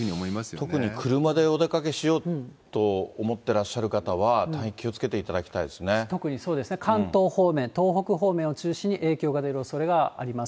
特に車でお出かけしようと思っておられる方は、特にそうですね、関東方面、東北方向を中心に影響が出るおそれがあります。